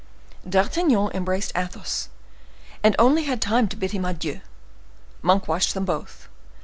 D'Artagnan embraced Athos, and only had time to bid him adieu. Monk watched them both.